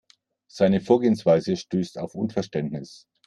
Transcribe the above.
Seine Vorgehensweise stößt auf Unverständnis.